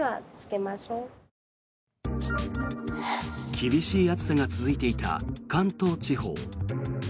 厳しい暑さが続いていた関東地方。